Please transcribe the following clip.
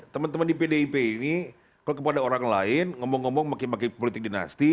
teman teman di pdip ini kalau kepada orang lain ngomong ngomong makin makin politik dinasti